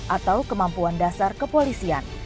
atau kemampuan dasar kepolisian